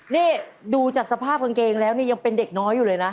นี่ดูจากสภาพกางเกงแล้วนี่ยังเป็นเด็กน้อยอยู่เลยนะ